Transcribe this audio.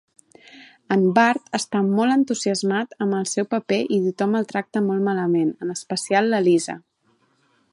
En Bart està molt entusiasmat amb el seu paper i tothom el tracta molt malament, en especial la Lisa.